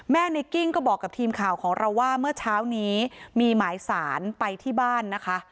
ในกิ้งก็บอกกับทีมข่าวของเราว่าเมื่อเช้านี้มีหมายสารไปที่บ้านนะคะ